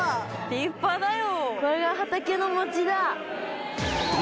立派だよ。